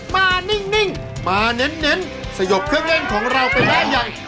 มานิ่งมาเน้นสยบเครื่องเล่นของเราเป็นแบบใหญ่